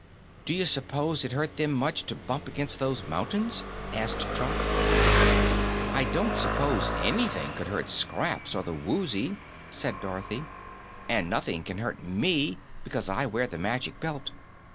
"Do you s'pose it hurt them much to bump against those mountains?" asked Trot. "I don't s'pose anything could hurt Scraps or the Woozy," said Dorothy, "and nothing can hurt ME, because I wear the Magic Belt.